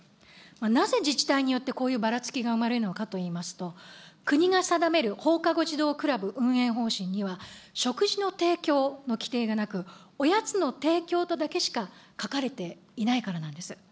なぜ自治体によってこういうばらつきが生まれるのかといいますと、国が定める放課後児童クラブ運営方針には、食事の提供の規程がなく、おやつの提供とだけしか書かれていないからなんです。